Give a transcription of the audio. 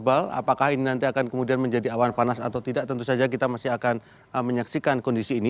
apakah ini nanti akan kemudian menjadi awan panas atau tidak tentu saja kita masih akan menyaksikan kondisi ini